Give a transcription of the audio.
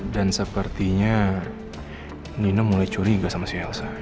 dan sepertinya nino mulai curiga sama si elsa